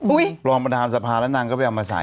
อุ๊ยประมาณฐานสภาแล้วนางก็ไปเอามาใส่